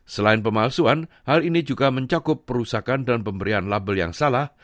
selain pemalsuan hal ini juga mencakup perusakan dan pemberian label yang salah